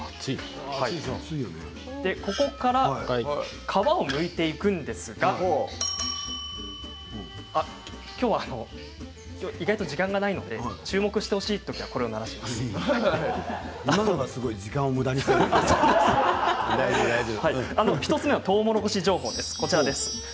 ここから皮をむいていくんですがベルの音きょうは意外と時間がないので注目してほしいときは今のが時間を１つはとうもろこし情報です。